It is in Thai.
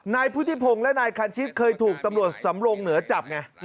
นายพุทธิพงศ์และนายคันชิตเคยถูกตำรวจสำรงเหนือจับไง